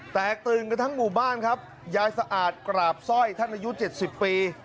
แตกตื่นกันทั้งหมู่บ้านครับยายสะอาดกราบสร้อยท่านอายุ๗๐ปี